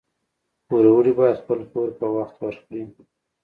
پوروړي باید خپل پور په وخت ورکړي